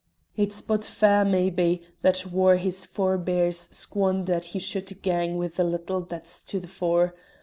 It's but fair, maybe, that whaur his forbears squandered he should gang wi' the little that's to the fore.